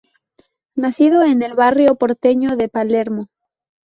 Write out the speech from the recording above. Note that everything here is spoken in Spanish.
Nacido en el barrio porteño de Palermo.